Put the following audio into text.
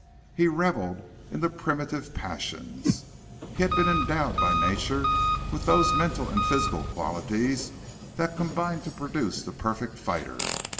He reveled in the primitive passions. He had been endowed by nature with those mental and physical qualities that combine to produce the perfect fighter.